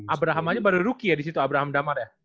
abraham aja baru ruki ya di situ abraham damar ya